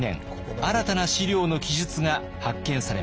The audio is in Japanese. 新たな史料の記述が発見されました。